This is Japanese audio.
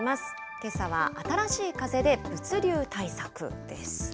けさは新しい風で物流対策です。